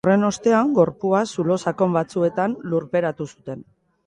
Horren ostean, gorpua zulo sakon batzuetan lurperatu zuen.